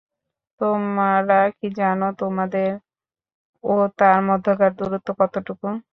তোমরা কি জান, তোমাদের ও তার মধ্যকার দূরত্ব কতটুকু?